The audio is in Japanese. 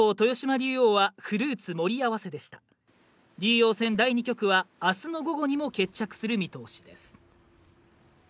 竜王戦第二局は明日の午後にも決着する見通しです。